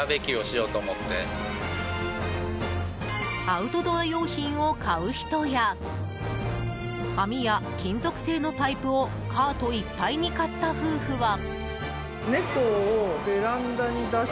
アウトドア用品を買う人や網や金属製のパイプをカートいっぱいに買った夫婦は。